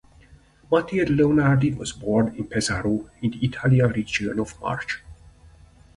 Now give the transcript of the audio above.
Matilde Leonardi was born in Pesaro in the Italian region of Marche.